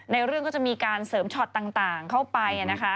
ในเรื่องก็จะมีการเสริมช็อตต่างเข้าไปนะคะ